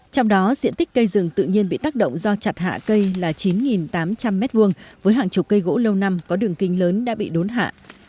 trong đó diện tích cây rừng tự nhiên bị tác động do chặt hạ cây là chín tám trăm linh m hai với hàng chục cây gỗ lâu năm có đường kinh lớn đã bị đốn hạ